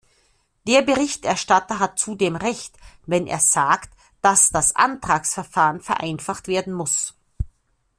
Der Berichterstatter hat zudem Recht, wenn er sagt, dass das Antragsverfahren vereinfacht werden muss.